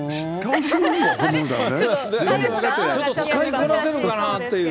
ちょっと使いこなせるかなという。